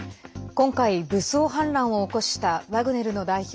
今回、武装反乱を起こしたワグネルの代表